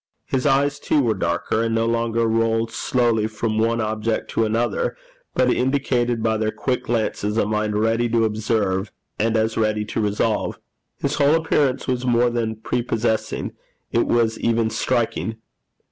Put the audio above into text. His eyes, too, were darker, and no longer rolled slowly from one object to another, but indicated by their quick glances a mind ready to observe and as ready to resolve. His whole appearance was more than prepossessing it was even striking.